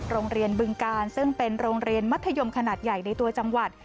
บึงกาลซึ่งเป็นโรงเรียนมัธยมขนาดใหญ่ในตัวจังหวัด